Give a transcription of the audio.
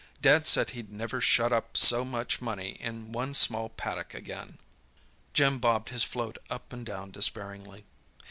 Dad said he'd never shut up so much money in one small paddock again!" Jim bobbed his float up and down despairingly.